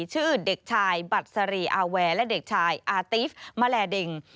ชื่อเด็กชายบัตรสรีอาแวร์และเด็กชายอาติฟแมลเด็ง